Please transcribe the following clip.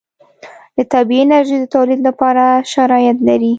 د طبعي انرژي د تولید لپاره شرایط لري.